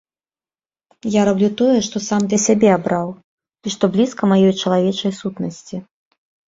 Я раблю тое, што сам для сябе абраў, і што блізка маёй чалавечай сутнасці.